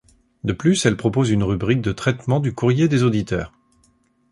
De plus, elle propose une rubrique de traitement du courrier des auditeurs.